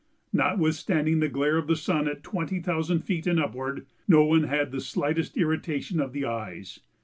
Notwithstanding the glare of the sun at twenty thousand feet and upward, no one had the slightest irritation of the eyes.